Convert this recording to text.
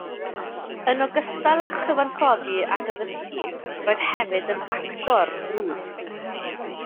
Yn ogystal â chyfansoddi ac addysgu, roedd hefyd yn actor brwd.